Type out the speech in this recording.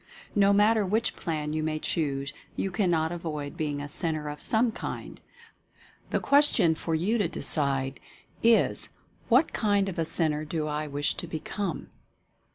No matter which plan you may choose, you cannot avoid being a Centre of some kind — the question for you to decide is, "What kind of a Centre do I wish to become?"